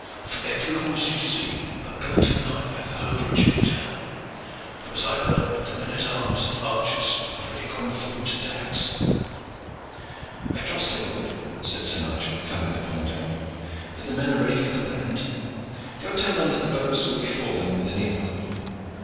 For every horse you see a belted knight hath herbergage in the town, for, as I learn, the men at arms and archers have already gone forward to Dax." "I trust, Aylward," said Sir Nigel, coming upon deck, "that the men are ready for the land. Go tell them that the boats will be for them within the hour."